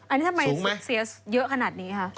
อันนี้ทำไมสูญเสียเยอะขนาดนี้คะ